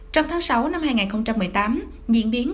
trong tháng sáu năm hai nghìn một mươi tám diễn biến cùng chương trình